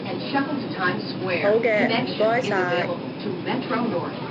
好嘅，唔該晒